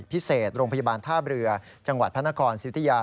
พิเศษโรงพยาบาลท่าเรือจังหวัดพระนครสิทธิยา